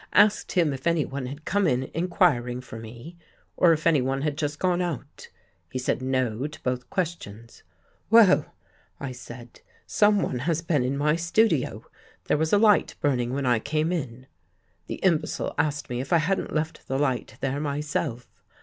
Asked him if anyone had come in inquiring for me, or if anyone had just gone out. He said no to both questions. "' Well,' I said, ' someone has been in my studio. There was a light burning when I came in.' The imbecile asked me if I hadn't left the light there my self.